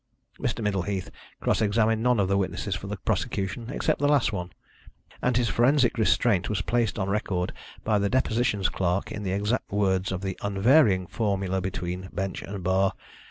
Mr. Middleheath cross examined none of the witnesses for the prosecution except the last one, and his forensic restraint was placed on record by the depositions clerk in the exact words of the unvarying formula between bench and bar.